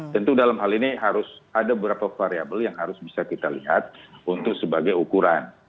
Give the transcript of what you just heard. tentu dalam hal ini harus ada beberapa variable yang harus bisa kita lihat untuk sebagai ukuran